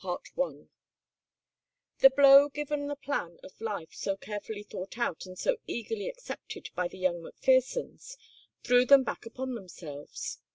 CHAPTER VIII The blow given the plan of life so carefully thought out and so eagerly accepted by the young McPhersons threw them back upon themselves.